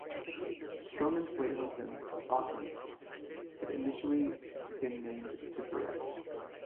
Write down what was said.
Stroman's late husband, Ockrent, had initially been named to direct.